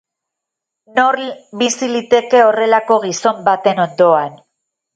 Nor bizi liteke horrelako gizon baten ondoan.